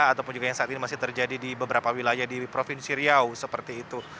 ataupun juga yang saat ini masih terjadi di beberapa wilayah di provinsi riau seperti itu